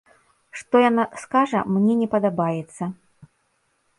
Што яна скажа, мне не падабаецца.